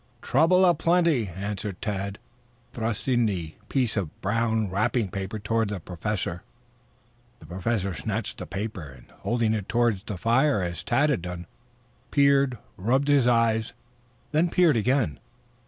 "Trouble in plenty," answered Tad, thrusting the piece of brown wrapping paper toward the Professor. The Professor snatched the paper and holding it towards the fire as Tad had done, peered, rubbed his eyes, then peered again.